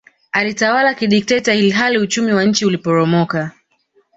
Alitawala kidikteta ilhali uchumi wa nchi uliporomoka